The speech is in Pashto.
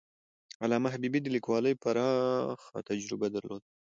علامه حبيبي د لیکوالۍ پراخه تجربه درلوده.